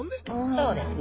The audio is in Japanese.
そうですね。